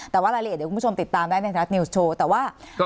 แต่ว่ารายละเอียดเดี๋ยวคุณผู้ชมติดตามได้ในไทยรัฐนิวส์โชว์แต่ว่า